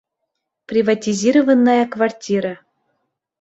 Приватизированная квартира